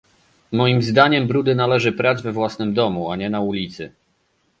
Moim zdaniem brudy należy prać we własnym domu, a nie na ulicy